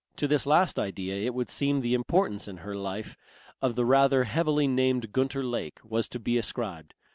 To this last idea it would seem the importance in her life of the rather heavily named Gunter Lake was to be ascribed.